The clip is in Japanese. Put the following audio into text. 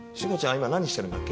今何してるんだっけ？